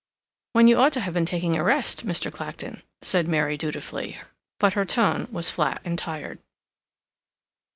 "When you ought to have been taking a rest, Mr. Clacton," said Mary dutifully, but her tone was flat and tired.